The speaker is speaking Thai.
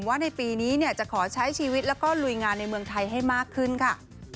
ว่าในปีนี้จะขอใช้ชีวิตแล้วก็ลุยงานในเมืองไทยให้มากขึ้นค่ะ